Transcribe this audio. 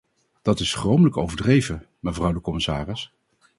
Dat is schromelijk overdreven, mevrouw de commissaris.